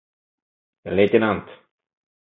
Лейтенант.